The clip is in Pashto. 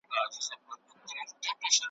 ملا وکښې دایرې یو څو شکلونه `